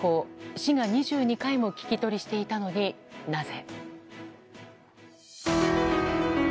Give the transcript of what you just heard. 市が２２回も聞き取りしていたのに、なぜ？